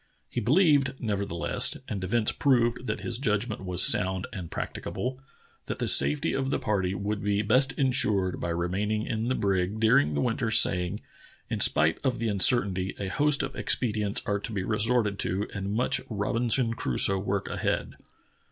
He believed, neverthe less, and events proved that his judgment was sound and practicable, that the safety of the party would be best insured by remaining in the brig during the winter, saj^ing: In spite of the uncertainty, a host of expedients are to be resorted to and much Robinson Crusoe work ahead.